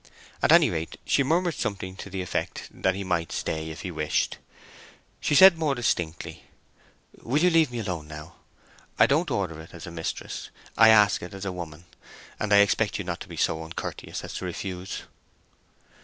At any rate she murmured something to the effect that he might stay if he wished. She said more distinctly, "Will you leave me alone now? I don't order it as a mistress—I ask it as a woman, and I expect you not to be so uncourteous as to refuse."